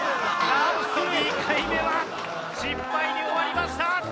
なんと２回目は失敗に終わりました。